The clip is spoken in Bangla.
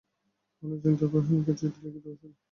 অনেক চিন্তার পর হেমকে চিঠি লিখিতে বসিল।